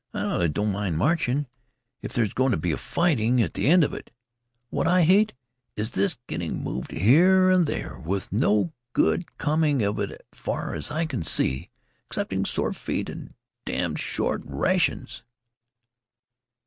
"I don't mind marching, if there's going to be fighting at the end of it. What I hate is this getting moved here and moved there, with no good coming of it, as far as I can see, excepting sore feet and damned short rations."